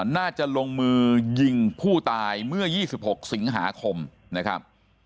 น่าจะลงมือยิงผู้ตายเมื่อ๒๖สิงหาคมนะครับ